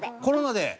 コロナで。